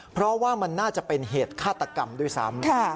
เพราะว่ามันน่าจะเป็นเหตุฆาตกรรมด้วยซ้ำ